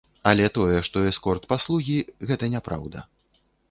Але тое, што эскорт-паслугі, гэта няпраўда.